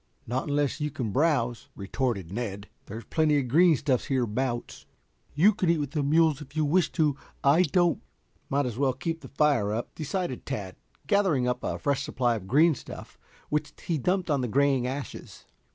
"Not unless you can browse," retorted Ned. "There's plenty of green stuff hereabouts." "You can eat with the mules if you wish to. I don't." "Might as well keep the fire up," decided Tad, gathering up a fresh supply of green stuff which he dumped on the graying ashes.